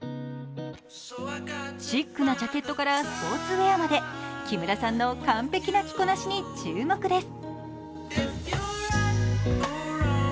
シックなジャケットからスポーツウェアまで木村さんの完璧な着こなしに注目です。